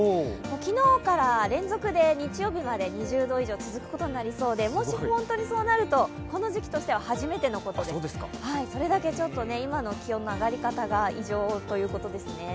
昨日から連続で日曜日まで２０度以上続くことになりそうで、もし本当にそうなると、この時期としては初めてのことで、それだけちょっと今の気温の上がり方が異常ということですね。